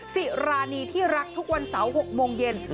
สิรานีที่รักทุกวันเสาร์๖โมงเย็น